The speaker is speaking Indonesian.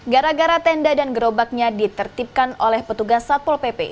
gara gara tenda dan gerobaknya ditertipkan oleh petugas satpol pp